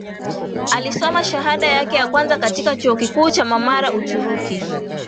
Alisoma shahada yake ya kwanza katika chuo kikuu cha mamara Uturuki